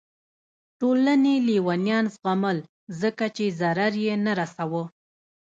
ټولنې لیونیان زغمل ځکه چې ضرر یې نه رسوه.